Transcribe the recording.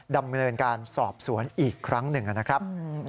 ดำเนินการสอบสวนอีกครั้งหนึ่งนะครับ